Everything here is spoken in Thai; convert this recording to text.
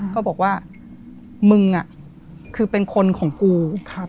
ก็บอกว่ามึงคือเป็นคนของกู